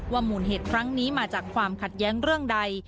มูลเหตุครั้งนี้มาจากความขัดแย้งเรื่องใด